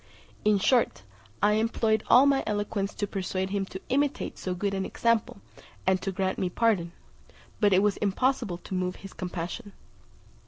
In short, I employed all my eloquence to persuade him to imitate so good an example, and to grant me pardon; but it was impossible to move his compassion.